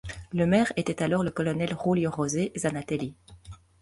Le maire était alors le colonel Julio Jose Zanatelli.